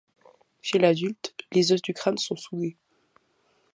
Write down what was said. Chez l’adulte, les os du crâne sont soudés.